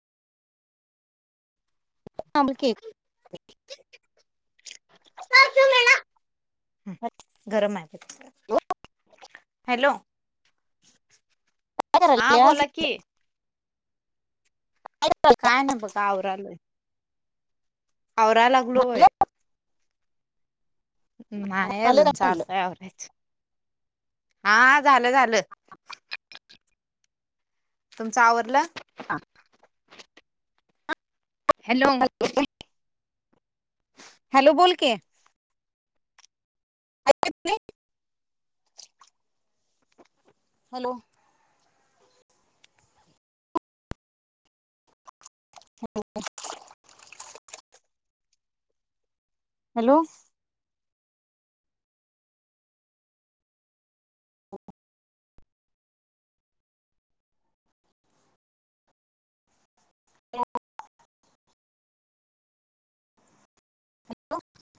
[inaudible] गरम आहे हॅलो. हा बोला की. काय नाय बघा आवरायलोय. आवराय लागलोय. नाही अजून चाललंय आवरायच. हा झालं झालं. तुमचं आवरलं. अ. हॅलो. हॅलो बोल की. ऐकु येत नाय हॅलो. [inaudible] हॅलो. [inaudible]